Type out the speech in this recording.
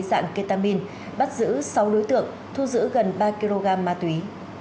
dạng ketamin bắt giữ sáu đối tượng thu giữ gần ba kg ma túy